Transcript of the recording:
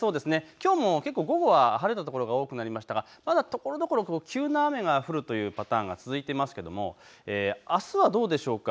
きょうも午後は晴れた所が多くなりましたが、ところどころ急な雨が降るというところが続いていますが、あすはどうでしょうか。